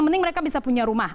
penting mereka bisa punya rumah